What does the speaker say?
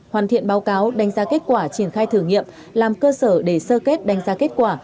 hoàn thiện báo cáo đánh giá kết quả triển khai thử nghiệm làm cơ sở để sơ kết đánh giá kết quả